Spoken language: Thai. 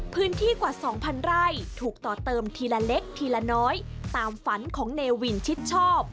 พื้นที่กว่า๒๐๐ไร่ถูกต่อเติมทีละเล็กทีละน้อยตามฝันของเนวินชิดชอบ